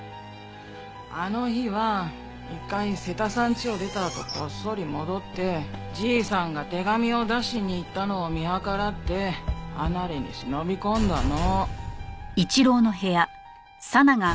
あの日は一回瀬田さんちを出たあとこっそり戻ってじいさんが手紙を出しに行ったのを見計らって離れに忍び込んだの。